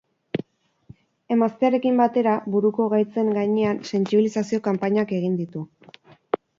Emaztearekin batera, buruko gaitzen gainean sentsibilizazio-kanpainak egin ditu.